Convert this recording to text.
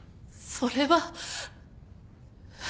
それは。